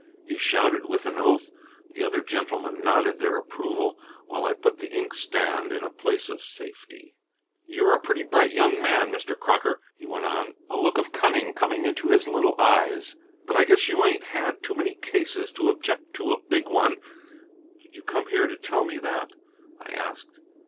he shouted, with an oath. The other gentlemen nodded their approval, while I put the inkstand in a place of safety. "You're a pretty bright young man, Mr. Crocker," he went on, a look of cunning coming into his little eyes, "but I guess you ain't had too many cases to object to a big one." "Did you come here to tell me that?" I asked.